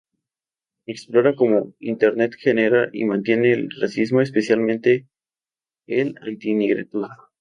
Explora cómo Internet genera y mantiene el racismo, especialmente el anti negritud.